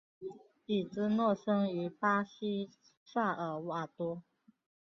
伊芝诺生于巴西萨尔瓦多。